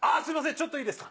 ちょっといいですか？